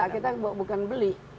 kita bukan beli